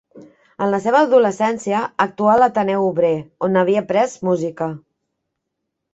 En la seva adolescència actuà a l'Ateneu Obrer, on havia après música.